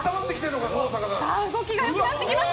動きがよくなってきました。